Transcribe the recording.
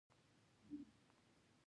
ایا زما په پښتورګي کې تیږه ده؟